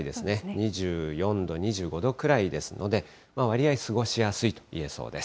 ２４度、２５度くらいですので、割合過ごしやすいといえそうです。